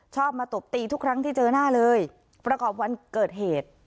มาตบตีทุกครั้งที่เจอหน้าเลยประกอบวันเกิดเหตุ